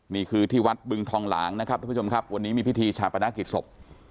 นี่คือที่วัดบึงทองหลางนะครับท่านผู้ชมครับวันนี้มีพิธีชาปนกิจศพ